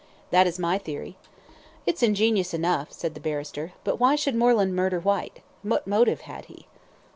"That is my theory." "It's ingenious enough," said the barrister; "but why should Moreland murder Whyte? What motive had he?"